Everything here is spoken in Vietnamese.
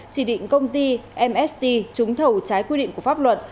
chỉ định công ty mst trúng thầu trái quy định của pháp luật